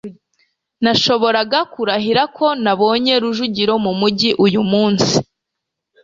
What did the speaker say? nashoboraga kurahira ko nabonye rujugiro mumujyi uyu munsi